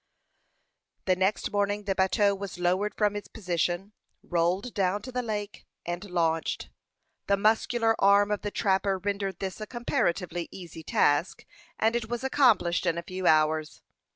The next morning the bateau was lowered from its position, rolled down to the lake, and launched. The muscular arm of the trapper rendered this a comparatively easy task, and it was accomplished in a few hours.